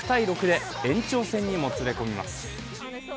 ６−６で延長戦にもつれ込みます。